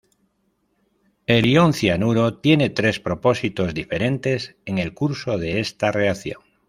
El ion cianuro tiene tres propósitos diferentes en el curso de esta reacción.